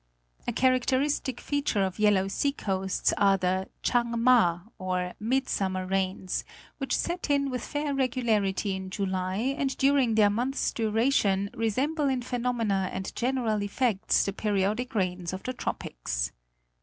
A characteristic feature of Yellow Sea coasts are the Chang ma, or mid summer rains, which set in with fair regularity in July and during their month's duration resemble in phenomena and general effects the periodic rains of the tropics.